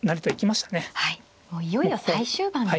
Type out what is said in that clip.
もういよいよ最終盤に。